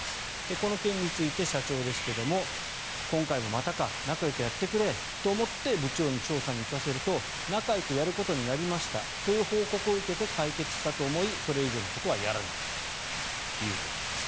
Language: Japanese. この件について社長ですが今回もまたか仲よくやってくれと部長に調査に行かせると仲よくやることになりましたという報告を受けて解決したと思いそれ以上のことはやらなかったということです。